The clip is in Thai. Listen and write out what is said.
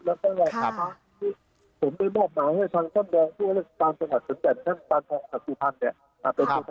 และก็ว่าผมได้บอกหมายให้ช่างสั้นแดงทั่วตัวรัฐการสถานการณ์สำแปด